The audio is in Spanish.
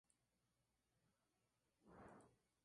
En algunos lugares se encuentran tipos mixtos de vegetación.